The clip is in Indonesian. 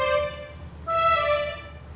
gak kecanduan hp